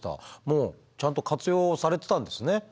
もうちゃんと活用されてたんですね。